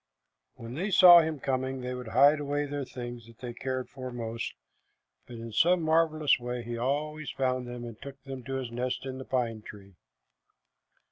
When they saw him coming, they would hide away the things that they cared for most, but in some marvelous way he always found them and took them to his nest in the pine tree.